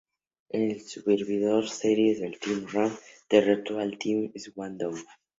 En Survivor Series, el Team Raw derrotó al Team SmackDown.